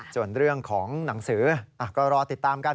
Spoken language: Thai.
ส่วนเรื่องของหนังสือก็รอติดตามกัน